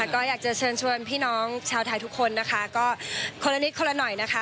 ก็อยากจะเชิญชวนพี่น้องชาวไทยทุกคนนะคะก็คนละนิดคนละหน่อยนะคะ